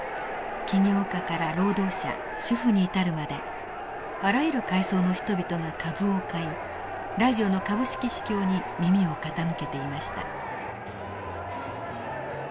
企業家から労働者主婦に至るまであらゆる階層の人々が株を買いラジオの株式市況に耳を傾けていました。